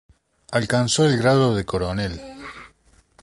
Alcanzó el grado de coronel.